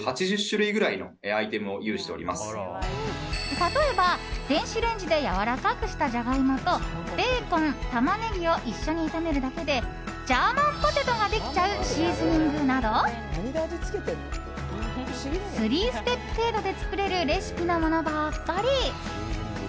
例えば、電子レンジでやわらかくしたジャガイモとベーコン、タマネギを一緒に炒めるだけでジャーマンポテトができちゃうシーズニングなど３ステップ程度で作れるレシピのものばかり。